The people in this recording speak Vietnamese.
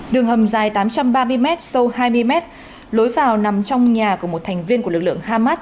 đường hầm dài tám trăm ba mươi m sâu hai mươi mét lối vào nằm trong nhà của một thành viên của lực lượng hamas